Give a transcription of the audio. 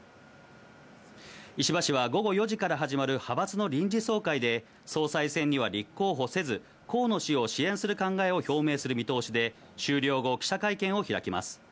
石破氏は、午後４時から始まる派閥の臨時総会で、総裁選には立候補せず、河野氏を支援する考えを表明する見通しで、終了後、記者会見を開きます。